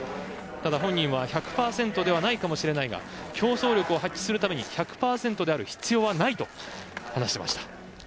本人は１００％ではないかもしれないが競争力を発揮するために１００％である必要はないと話していました。